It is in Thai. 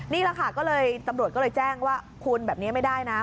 นี่แหละค่ะก็เลยตำรวจก็เลยแจ้งว่าคุณแบบนี้ไม่ได้นะ